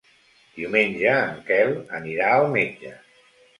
Diumenge en Quel anirà al metge.